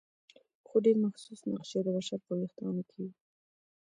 خو ډېر محسوس نقش یې د بشر په ویښتیا کې و.